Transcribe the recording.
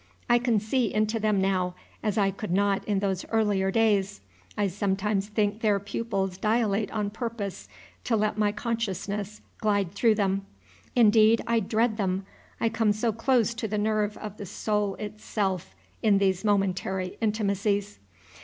I can see into them now as I could not in those 'earlier days. I sometimes think their pupils dilate on purpose to let my consciousness glide through them; indeed, I dread them, I come so close to the nerve of the soul itself in these momentary intimacies.